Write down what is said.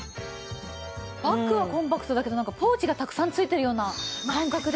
バッグはコンパクトだけどポーチがたくさん付いているような感覚でね